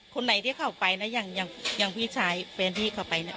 คนไหนที่เขาไปนะอย่างพี่ชายแฟนพี่เขาไปเนี่ย